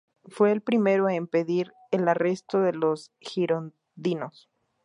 Fue el primero en pedir el arresto de los girondinos.